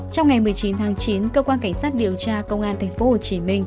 trong ngày một mươi chín tháng chín cơ quan cảnh sát điều tra công an tp hcm